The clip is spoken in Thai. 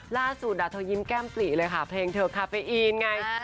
ล่าสุดเธอยิ้มแก้มปลีเลยค่ะเพลงเธอคาเฟอีนไง